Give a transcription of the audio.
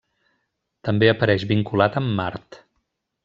També apareix vinculat amb Mart.